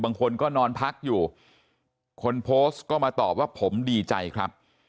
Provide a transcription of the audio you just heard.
บางคนก็นอนพักอยู่คนโพสต์ก็มาตอบว่าผมดีใจครับ